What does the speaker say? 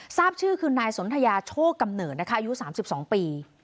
ทราบชื่อคือนายสนทยาโชคกำเนิดนะคะอายุ๓๒ปี